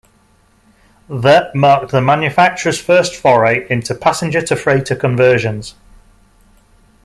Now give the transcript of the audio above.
The marked the manufacturer's first foray into passenger-to-freighter conversions.